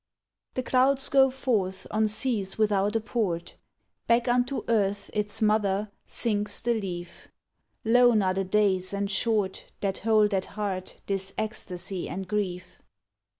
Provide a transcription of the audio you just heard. The clouds go forth on seas without a port ; Back unto Earth, its mother, sinks the leaf. Lone are the days and short That hold at heart this ecstasy and grief.